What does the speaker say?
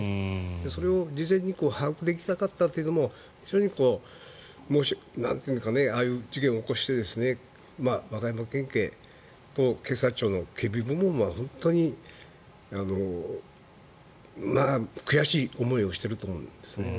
それを事前に把握できなかったというのもああいう事件を起こして和歌山県警の警察庁の警備部門は本当に悔しい思いをしてると思うんです。